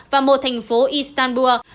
và một thành phố istanbul